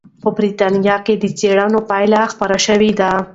په بریتانیا کې د څېړنې پایلې خپرې شوې دي.